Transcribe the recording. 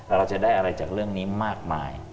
เราจะได้อะไรจากเรื่องนี้มากมาย